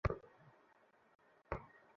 আংটিটা আমার আঙুলে পরিয়ে দাও।